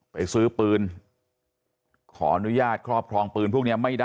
ไปซื้อปืนขออนุญาตครอบครองปืนพวกนี้ไม่ได้